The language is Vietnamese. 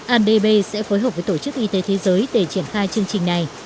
adb sẽ phối hợp với tổ chức y tế thế giới để triển khai chương trình này